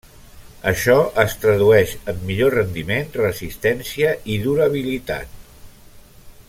Això es tradueix en millor rendiment, resistència i durabilitat.